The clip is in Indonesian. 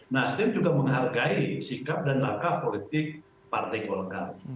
nasdem juga menghargai sikap dan langkah politik partai golkar